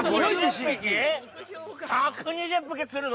１２０匹釣るの？